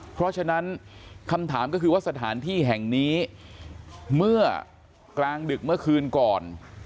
เพราะฉะนั้นคำถามก็คือว่าสถานที่แห่งนี้เมื่อกลางดึกเมื่อคืนก่อน